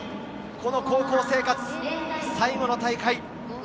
この高校生活最後の大会。